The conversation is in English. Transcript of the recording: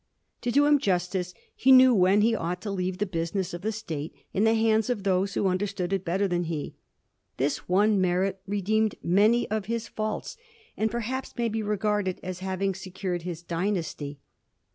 To do him justice, he knew when he ought to leave the business of the State in the hands of those who understood it better than he ; this one merit redeemed many of his faults, and, perhaps, may be regarded as having secured his dynasty.